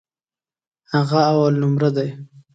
هغه اولنومره دی.